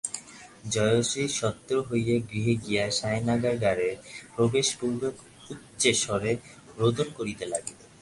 জয়শ্রী সত্বর হইয়া গৃহে গিয়া শয়নাগারে প্রবেশপূর্বক উচ্চৈ স্বরে রোদন করিতে লাগিল।